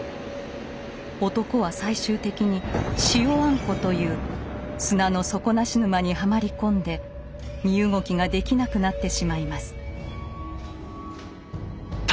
男は最終的に「塩あんこ」という砂の底なし沼にはまり込んで身動きができなくなってしまいます。